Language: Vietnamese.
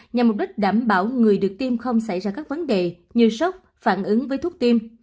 nhằm mục đích đảm bảo người được tiêm không xảy ra các vấn đề như sốc phản ứng với thuốc tim